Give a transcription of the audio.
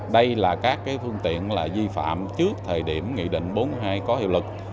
đây là các phương tiện di phạm trước thời điểm nghị định bốn mươi hai có hiệu lực